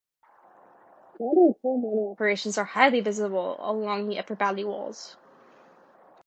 Modern coal mining operations are highly visible along the upper valley walls.